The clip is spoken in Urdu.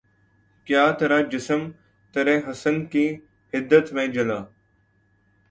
کیا ترا جسم ترے حسن کی حدت میں جلا